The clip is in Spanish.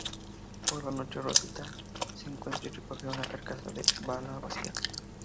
Por la noche, Rosita encuentra y recoge una carcasa de bala vacía.